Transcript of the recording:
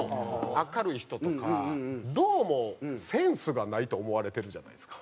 明るい人とかどうもセンスがないと思われてるじゃないですか。